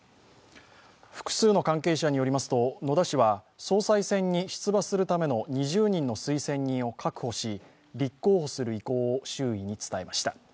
複数の関係者によりますと、野田氏は総裁選に出馬するための２０人の推薦人を確保し、立候補する意向を周囲に伝えました。